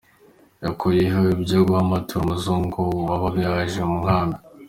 Yakuyeho ibyo guha amaturo umuzungu wabaga yaje mu nkambi.